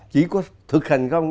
chỉ có thực hành không